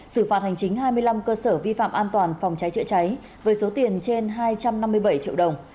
xử phạt hành chính hai mươi năm cơ sở vi phạm an toàn phòng trái trịa trái với số tiền trên hai trăm năm mươi bảy triệu đồng